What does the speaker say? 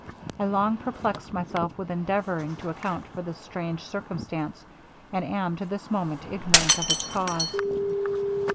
I long perplexed myself with endeavouring to account for this strange circumstance, and am to this moment ignorant of its cause.'